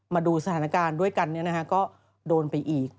มาดูสถานการณ์ด้วยกันก็โดนไปอีก